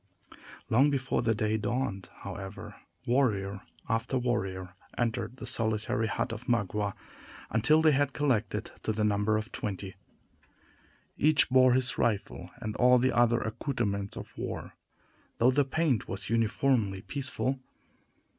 Long before the day dawned, however, warrior after warrior entered the solitary hut of Magua, until they had collected to the number of twenty. Each bore his rifle, and all the other accouterments of war, though the paint was uniformly peaceful.